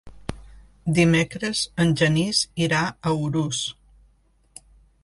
Dimecres en Genís irà a Urús.